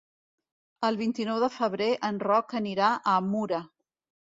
El vint-i-nou de febrer en Roc anirà a Mura.